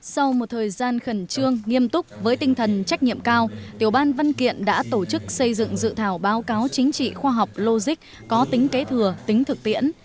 sau một thời gian khẩn trương nghiêm túc với tinh thần trách nhiệm cao tiểu ban văn kiện đã tổ chức xây dựng dự thảo báo cáo chính trị khoa học logic có tính kế thừa tính thực tiễn